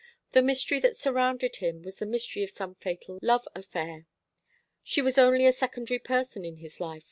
The mystery that surrounded him was the mystery of some fatal love affair. She was only a secondary person in his life.